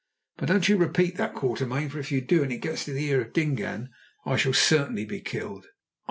But don't you repeat that, Quatermain, for if you do, and it gets to the ear of Dingaan, I shall certainly be killed.